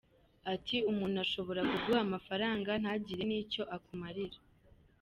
Ati: “Umuntu ashobora kuguha amafaranga ntagire n’icyo akumarira.